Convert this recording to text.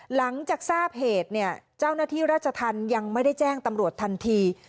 หลังจากทราบเหตุเนี่ยเจ้าหน้าที่ราชธรรมยังไม่ได้แจ้งตำรวจทันที